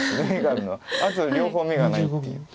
あとは両方眼がないっていう。